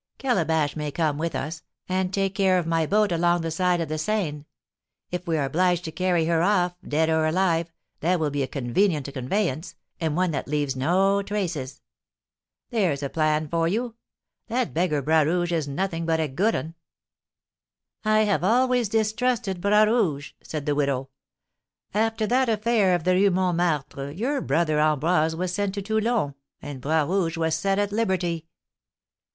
Calabash may come with us, and take care of my boat along the side of the Seine. If we are obliged to carry her off, dead or alive, that will be a convenient conveyance, and one that leaves no traces. There's a plan for you! That beggar Bras Rouge is nothing but a good 'un!" "I have always distrusted Bras Rouge," said the widow. "After that affair of the Rue Montmartre your brother Ambroise was sent to Toulon, and Bras Rouge was set at liberty."